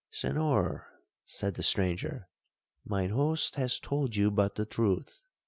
'Senhor,' said the stranger, 'mine host has told you but the truth.